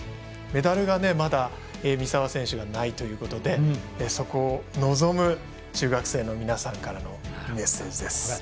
メダルがまだ三澤選手がないということでそこを望む中学生の皆さんからのメッセージです。